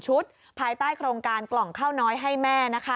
๑๐๐๐๐ชุดภายใต้โครงการกล่องข้าวน้อยให้แม่